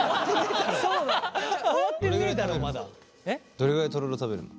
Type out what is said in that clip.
どれぐらいとろろ食べるの？